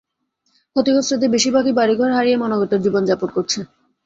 ক্ষতিগ্রস্তদের বেশিরভাগই বাড়িঘর হারিয়ে মানবেতর জীবন যাপন করছে।